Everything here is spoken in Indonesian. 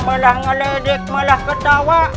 malah ngeledek malah ketawa